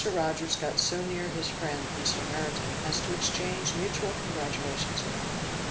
Rogers got so near his friend, Mr. Meriton, as to exchange mutual congratulations with him.